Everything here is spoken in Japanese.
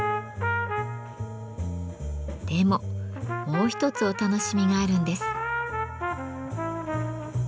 でももう一つお楽しみがあるんです。